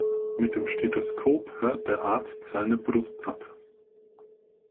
Mit dem Stethoskop hört der Arzt seine Brust ab.